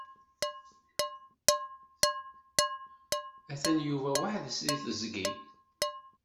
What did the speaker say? Atan Yuba weḥd-s deg teẓgi.